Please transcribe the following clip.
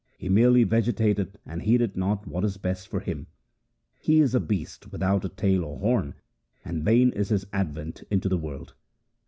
He merely vegetateth and heedeth not what is best for him. He is a beast without a tail or horn, and vain is his advent into the world.